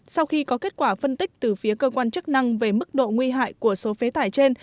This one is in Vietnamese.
sau khi có kết quả phân tích từ phía cơ quan chức năng về mức độ nguy hại của số phế thải trên